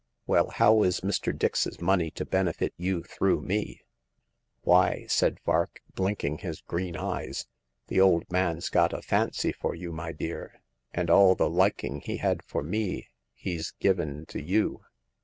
Well, how is Mr. Dix's money to benefit you through me ?" "Why," said Vark, blinking his green eyes, ," the old man's got a fancy for you, my dear ; and all the liking he had for me he's given to you.